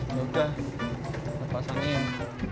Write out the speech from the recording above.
ya udah pasangin